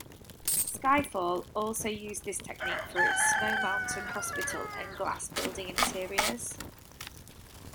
Skyfall also used this technique for its snow mountain hospital and glass building interiors.